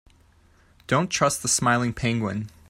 Don't trust the smiling penguin.